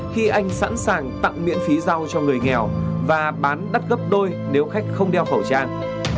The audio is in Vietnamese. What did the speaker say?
khi anh sẵn sàng tặng miễn phí giao cho người nghèo và bán đắt gấp đôi nếu khách không đeo khẩu trang